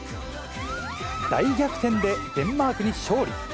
大逆転でデンマークに勝利。